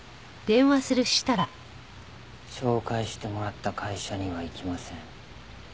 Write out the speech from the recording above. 紹介してもらった会社には行きません。